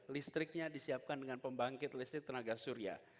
listriknya disiapkan dengan pembangkit listrik tenaga surya